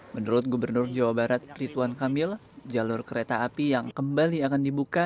menurut gubernur jawa barat rituan kamil jalur kereta api yang kembali akan dibuka